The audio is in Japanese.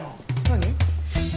何？